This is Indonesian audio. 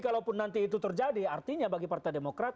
kalau pun nanti itu terjadi artinya bagi partai demokrat